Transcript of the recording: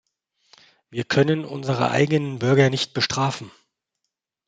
Wir können unsere eigenen Bürger nicht bestrafen.